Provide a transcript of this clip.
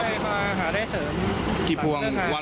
ก็ได้ภาคาได้เสริม